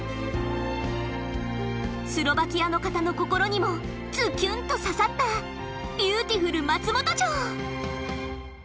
スロバキアの方の心にもズキュンと刺さったビューティフル松本城！